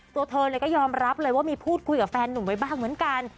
ตัวเธอก็ยอมรับเลยว่ามีพูดคุยกับแฟนหนุ่มไว้บ้างเหมือนกัน